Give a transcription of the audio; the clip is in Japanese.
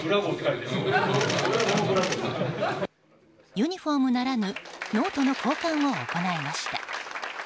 ユニホームならぬノートの交換を行いました。